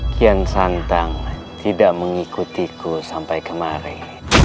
kian santang tidak mengikutiku sampai kemarin